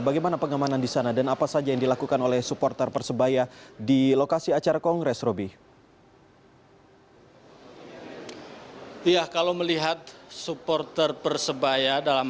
bagaimana pengamanan di sana dan apa saja yang dilakukan oleh supporter persebaya di lokasi acara kongres roby